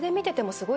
すごい。